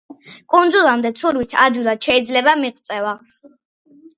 კუნძულამდე ცურვით ადვილად შეიძლება მიღწევა.